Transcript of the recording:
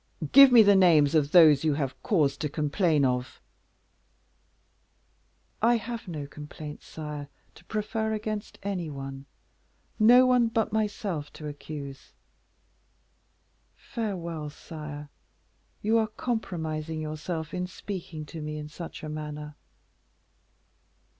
"Give me the names of those you have cause to complain of." "I have no complaints, sire, to prefer against any one; no one but myself to accuse. Farewell, sire; you are compromising yourself in speaking to me in such a manner."